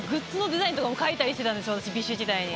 実は私ＢｉＳＨ時代に。